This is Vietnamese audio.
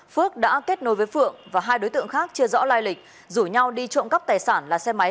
phước đã kết nối với phượng và hai đối tượng khác chưa rõ lai lịch rủ nhau đi trộm cắp tài sản là xe máy